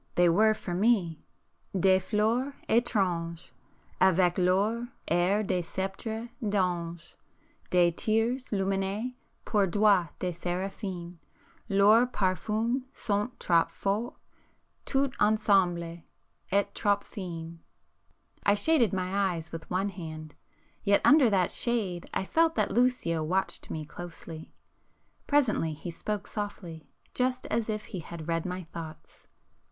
—they were for me "des fleurs étranges,3 Avec leurs airs de sceptres d'anges; De thyrses lumineux pour doigts de séraphins,— Leurs parfums sont trop forts, tout ensemble, et trop fins!" I shaded my eyes with one hand,—yet under that shade I felt that Lucio watched me closely. Presently he spoke softly, just as if he had read my thoughts.